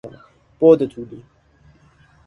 بعد طولی